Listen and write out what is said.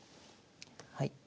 はい。